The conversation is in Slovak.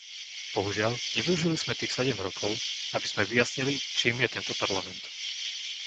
Bohužiaľ, nevyužili sme tých sedem rokov, aby sme vyjasnili, čím je tento Parlament.